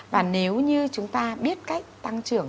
và nếu như chúng ta biết cách tăng trưởng